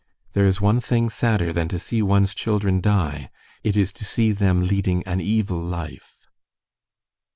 "There is one thing sadder than to see one's children die; it is to see them leading an evil life."